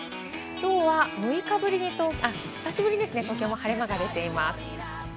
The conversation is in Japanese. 今日は久しぶりですね、東京も晴れ間が出ています。